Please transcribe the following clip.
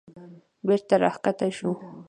بېرته راکښته شوه.